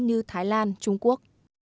như thái lan trung quốc